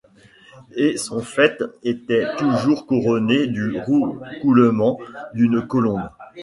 Et son faîte était toujours couronné du roucoulement d’une colombe.